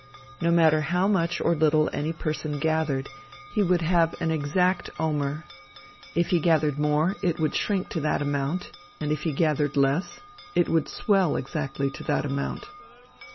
No matter how much or little any person gathered, he would have an exact omer; if he gathered more, it would shrink to that amount, and if he gathered less, it would swell exactly to that amount.